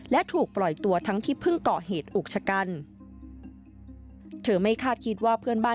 และถูกปล่อยตัวทั้งที่เพิ่งเกาะเหตุอุกชะกันเธอไม่คาดคิดว่าเพื่อนบ้าน